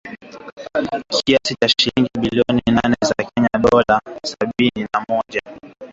Kiasi cha shilingi bilioni nane za Kenya Dola Sabini na moja